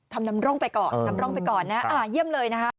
ทำนำร่องไปก่อนนะเยี่ยมเลยนะ